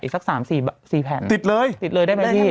อีกสัก๓๔แผ่นติดเลยได้ไหมพี่